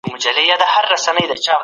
سړي سر ګټه ښايي په ټیټه کچه کي پاته سي.